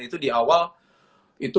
itu di awal itu